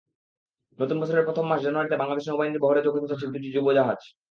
নতুন বছরের প্রথম মাস জানুয়ারিতে বাংলাদেশ নৌবাহিনীর বহরে যোগ হতে যাচ্ছে দুটি ডুবোজাহাজ।